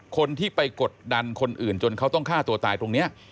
คนที่ไปกดดันคนอื่นจนเขาต้องฆ่าตัวตายตรงนี้